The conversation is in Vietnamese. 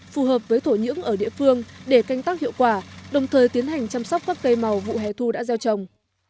phù hợp với thổ nhưỡng ở địa phương để canh tác hiệu quả đồng thời tiến hành chăm sóc các cây màu vụ hè thu đã gieo trồng